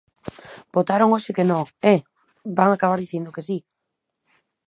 Votaron hoxe que non, ¡eh!, van acabar dicindo que si.